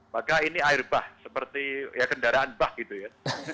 maka ini air bah seperti kendaraan bah gitu ya